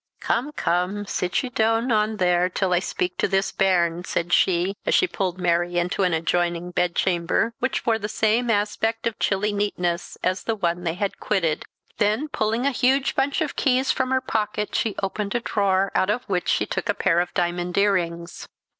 "Come, come, sit ye do on there till I speak to this bairn," said she, as she pulled Mary into an adjoining bedchamber, which wore the same aspect of chilly neatness as the one they had quitted. Then pulling a huge bunch of keys from her pocket she opened a drawer, out of which she took a pair of diamond earrings.